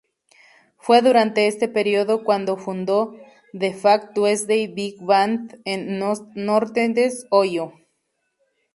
Fue durante este periodo cuando fundó The Fat Tuesday Big Band, en Northeast Ohio.